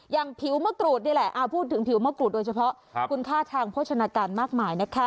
อย่างผิวมะกรูดนี่แหละพูดถึงผิวมะกรูดโดยเฉพาะคุณค่าทางโภชนาการมากมายนะคะ